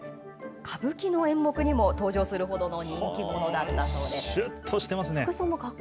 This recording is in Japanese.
歌舞伎の演目にも登場するほどの人気者だったんです。